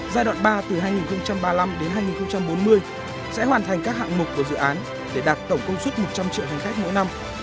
giai đoạn ba từ hai nghìn ba mươi năm đến hai nghìn bốn mươi sẽ hoàn thành các hạng mục của dự án để đạt tổng công suất một trăm linh triệu hành khách mỗi năm